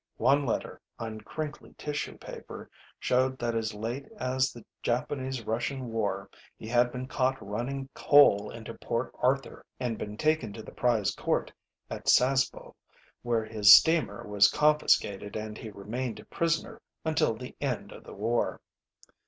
One letter, on crinkly tissue paper, showed that as late as the Japanese Russian War he had been caught running coal into Port Arthur and been taken to the prize court at Sasebo, where his steamer was confiscated and he remained a prisoner until the end of the war.